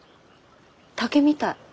竹みたい。